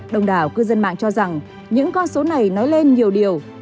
đồng đảo cư dân mạng cho rằng những con số này nói lên nhiều điều